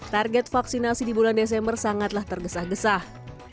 target vaksinasi di bulan desember sangatlah tergesah gesah